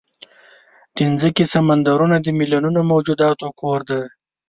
د مځکې سمندرونه د میلیونونو موجوداتو کور دی.